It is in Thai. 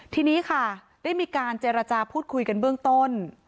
ทีนี้ค่ะได้มีการเจรจาพูดคุยกันเบื้องต้น